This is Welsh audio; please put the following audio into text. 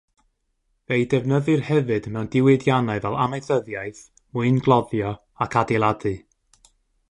Fe'u defnyddir hefyd mewn diwydiannau fel amaethyddiaeth, mwyngloddio ac adeiladu.